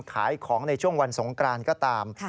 ขายของในช่วงวันสงกรานก็ตาม